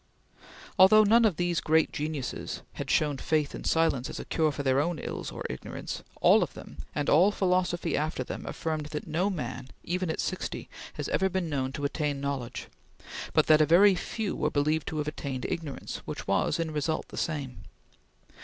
Although none of these great geniuses had shown faith in silence as a cure for their own ills or ignorance, all of them, and all philosophy after them, affirmed that no man, even at sixty, had ever been known to attain knowledge; but that a very few were believed to have attained ignorance, which was in result the same.